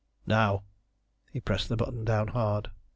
"Now!" He pressed the button down hard.